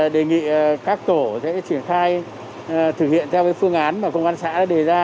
đề nghị các tổ sẽ triển khai thực hiện theo phương án mà công an xã đã đề ra